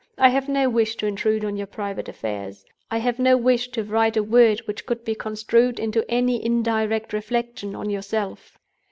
I have no wish to intrude on your private affairs; I have no wish to write a word which could be construed into any indirect reflection on yourself.